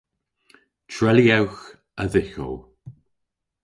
Treylyewgh a-dhyghow.